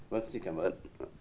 vâng xin cảm ơn